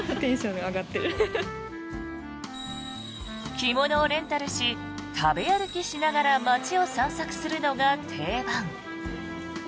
着物をレンタルし食べ歩きしながら街を散策するのが定番。